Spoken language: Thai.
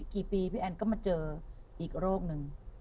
กี่ปีพี่แอนก็มาเจออีกโรคนึง